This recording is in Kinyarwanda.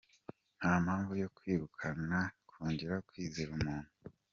Nta mpamvu yo kwirukankira kongera kwizera umuntu.